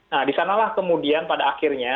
nah disanalah kemudian pada akhirnya